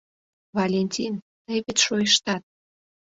Валентин, тый вет шойыштат?